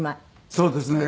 そうですね。